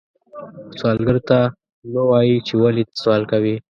سوالګر ته مه وایې چې ولې ته سوال کوې